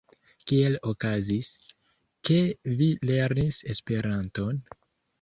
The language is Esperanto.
Kiel okazis, ke vi lernis Esperanton?